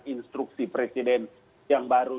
instruksi presiden yang baru